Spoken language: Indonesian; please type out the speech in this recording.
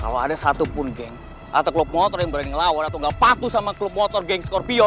kalau ada satupun geng atau klub motor yang berani ngelawan atau nggak patuh sama klub motor geng skorpio